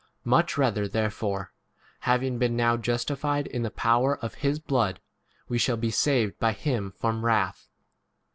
Much rather therefore, hav ing been now justified in [the power of] his blood, we shall be 10 saved by him from wrath.